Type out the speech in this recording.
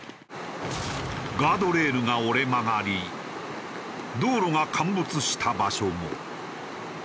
ガードレールが折れ曲がり道路が陥没した場所も。